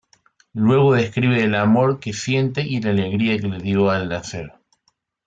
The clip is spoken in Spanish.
Luego describe el amor que siente y la alegría que le dio al nacer.